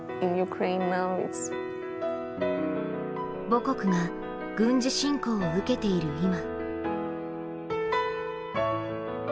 母国が軍事侵攻を受けている今。